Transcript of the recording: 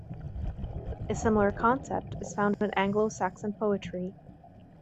A similar concept is found in Anglo-Saxon poetry.